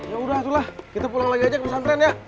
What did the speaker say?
yaudah itulah kita pulang lagi aja ke pesantren ya